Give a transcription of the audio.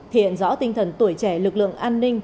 hiện rõ tinh thần tuổi trẻ lực lượng an ninh